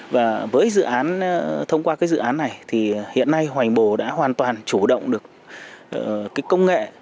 và với dự án thông qua cái dự án này thì hiện nay hoành bồ đã hoàn toàn chủ động được cái công nghệ